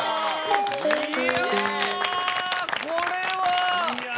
いやこれは。